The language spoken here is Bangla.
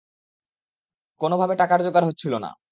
কোনোভাবে টাকার জোগাড় হচ্ছিল না।